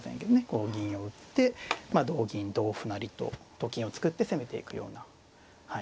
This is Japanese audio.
こう銀を打って同銀同歩成とと金を作って攻めていくような。